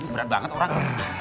berat banget orang